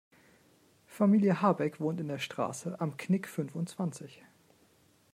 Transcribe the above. Familie Habeck wohnt in der Straße Am Knick fünfundzwanzig.